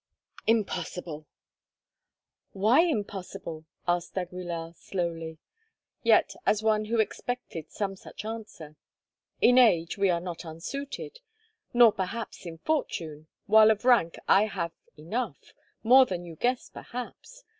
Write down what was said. "Impossible." "Why impossible?" asked d'Aguilar slowly, yet as one who expected some such answer. "In age we are not unsuited, nor perhaps in fortune, while of rank I have enough, more than you guess perhaps.